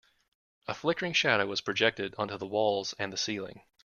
A flickering shadow was projected onto the walls and the ceiling.